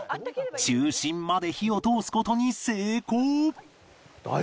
中心まで火を通す事に成功